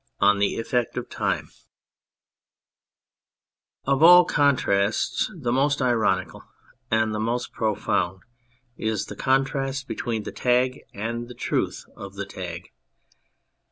44 ON THE EFFECT OF TIME OF all contrasts the most ironical and the most profound is the contrast between the Tag and the Truth of the Tag.